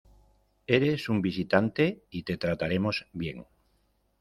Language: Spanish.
Eres un visitante y te trataremos bien.